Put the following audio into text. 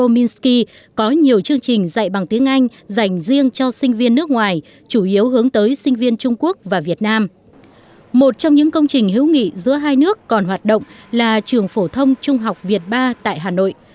một trong những công trình hữu nghị giữa hai nước còn hoạt động là trường phổ thông trung học việt ba tại hà nội